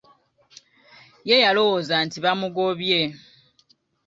Ye yalowooza nti bamugobye.